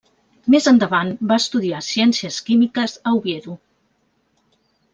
Més endavant va estudiar Ciències Químiques a Oviedo.